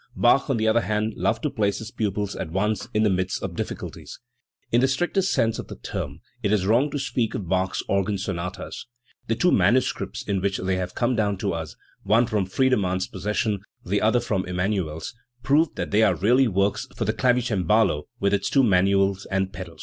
Bach, on the other hand, loved to place his pupil at once in the midst of difficulties. In the strict sense of the term, it is wrong to speak of Bach's "organ sonatas 9 '. The two manuscripts in Which they have come down to us one from Friedemann's possession, the other, from Emmanuel's prove that they are really works for the clavicembalo with two manuals and pedal.